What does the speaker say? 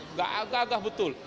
nggak agak agak betul